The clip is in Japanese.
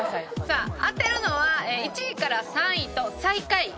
さあ当てるのは１位から３位と最下位という事で。